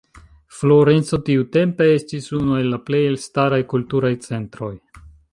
Florenco tiutempe estis unu el la plej elstaraj kulturaj centroj.